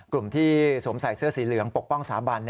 กลุ่มที่สวมใส่เสื้อสีเหลืองปกป้องสถาบัน